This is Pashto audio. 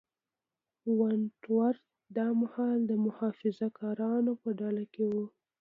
ونټ ورت دا مهال د محافظه کارانو په ډله کې و.